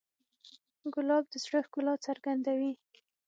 ګلاب د زړه ښکلا څرګندوي.